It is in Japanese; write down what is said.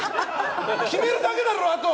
決めるだけだろ、あとは！